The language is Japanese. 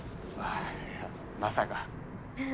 いやまさか。